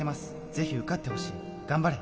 ぜひ受かってほしい頑張れ」